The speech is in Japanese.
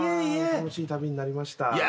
楽しい旅になりました。